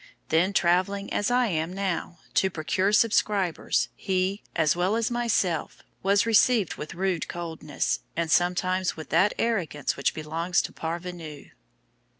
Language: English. Then travelling as I am now, to procure subscribers he, as well as myself, was received with rude coldness, and sometimes with that arrogance which belongs to _parvenus."